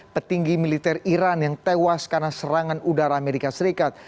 petinggi militer iran yang tewas karena serangan udara amerika serikat